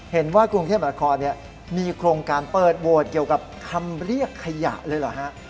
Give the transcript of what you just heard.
เห็นว่ากรุงเทพบัตรคอร์เนี่ยมีโครงการเปิดโวทย์เกี่ยวกับคำเรียกขยะเลยเหรอฮะ